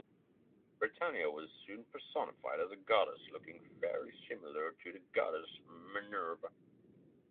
Britannia was soon personified as a goddess, looking fairly similar to the goddess Minerva.